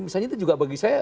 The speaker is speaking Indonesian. misalnya itu juga bagi saya